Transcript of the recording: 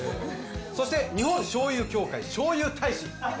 そして日本醤油協会しょうゆ大使